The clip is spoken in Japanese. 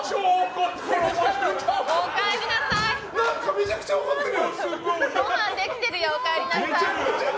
めちゃめちゃ怒ってる。